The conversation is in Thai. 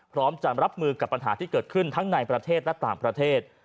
พร้อมจะรับมือกับปัญหาที่เกิดขึ้นทั้งในประเทศและต่างประเทศ